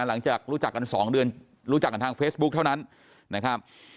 หลังจากรู้จักกัน๒เดือนรู้จักกันทางเฟซบุ๊คเท่านั้นนะครับ